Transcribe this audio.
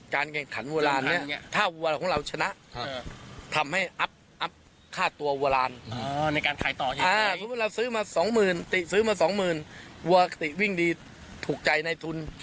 การแข่งขันวัวร้านที่ถ้าวัวเราชนะทำให้อัพอัพข้าตัววัวร้านในการขายต่ออย่างไรสอบอัสสื้อมา๒๐๐๐๐ติกซื้อมา๒๐๐๐๐ติวิ่งดีถูกใจในทุน